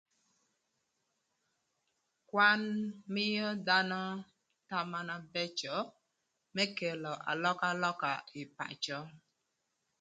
Kwan mïö dhanö thama na bëcö më kelo alökalöka ï pacö